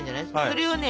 それをね